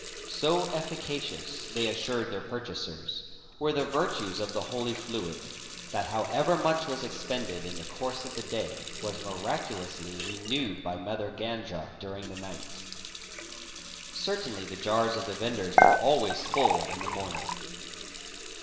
So — efficacious, they assured their purchasers, were the virtues of the holy fluid, that however much was expended in the course of the day was miraculously renewed by Mother Ganga during the night. Certainly the jars of the vendors were always full in the morning."